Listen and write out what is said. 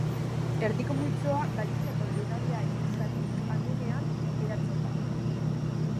Erdiko multzoa Galiziako lurraldearen zatirik handienean hedatzen da.